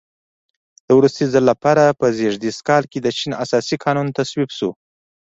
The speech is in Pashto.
د وروستي ځل لپاره په زېږدیز کال کې د چین اساسي قانون تصویب شو.